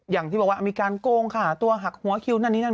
อย่างที่บอกว่ามีการโกงค่ะตัวหักหัวคิวนั่นนี่นั่น